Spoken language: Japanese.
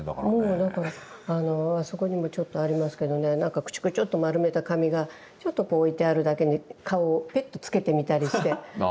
もうだからあそこにもちょっとありますけどねなんかくちゅくちゅっと丸めた紙がちょっとこう置いてあるだけに顔をペッてつけてみたりして。